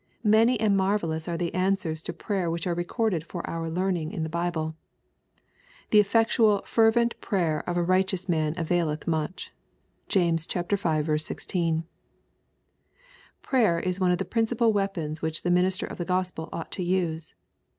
Many and marvellous are the answers to prayer which are recorded for our learning in the Bible. '^ The effectual fervent prayer of a righteous man avail eth much." (James v. 16.) Prayer is one of the principal weapons which the minister of the Gospel ought to use.